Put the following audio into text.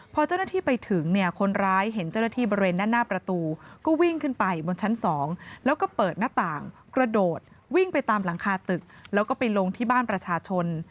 พอเจ้าหน้าที่ไปถึงเนี่ยคนร้ายเห็นเจ้าหน้าที่บริเวณด้านหน้าประตูก็วิ่งขึ้นไปบนชั้น๒แล้วก็เปิดหน้าต่างกระโดดวิ่งไปตามหลังคาตึกแล้วก็ไปลงที่บ้านประชาชน